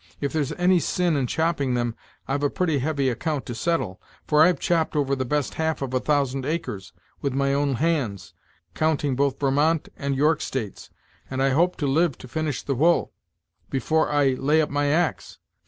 If there's any sin in chopping them, I've a pretty heavy account to settle; for I've chopped over the best half of a thousand acres, with my own hands, counting both Varmount and York States; and I hope to live to finish the whull, before I lay up my axe.